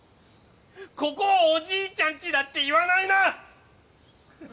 ここを「おじいちゃんちだ」って言わないな！